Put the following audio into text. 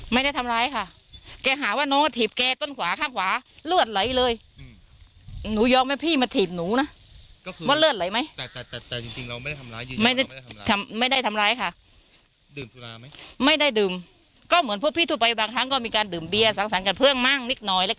ไม่ได้ดื่มก็เหมือนบ้างทั้งก็มีการดื่มเบียร์สังสันกันเพิ่มมั่งนิดน้อยเล็ก